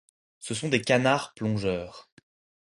Ce sont des canards plongeurs.